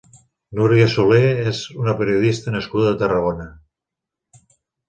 Núria Solé és una periodista nascuda a Tarragona.